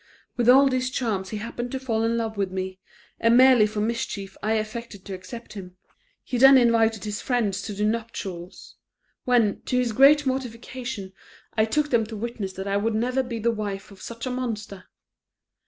With all these charms he happened to fall in love with me, and merely for mischief I affected to accept him. He then invited his friends to the nuptials; when, to his great mortification, I took them to witness that I would never be the wife of such a monster.